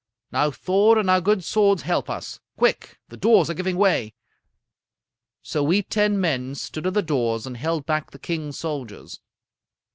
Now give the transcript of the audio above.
Now Thor and our good swords help us! Quick! The doors are giving way.' "So we ten men stood at the doors and held back the king's soldiers.